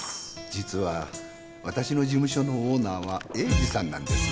実は私の事務所のオーナーは栄治さんなんです。